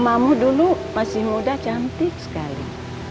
mamamu dulu masih muda cantik sekali